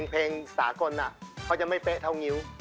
เพลงสากลเขาจะไม่เป๊ะเท่างิ้ว